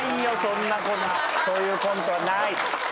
そういうコントない。